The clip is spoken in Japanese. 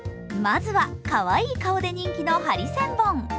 まずは、かわいい顔で人気のハリセンボン。